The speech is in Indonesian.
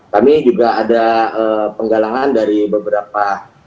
kami juga ada penggalangan dari beberapa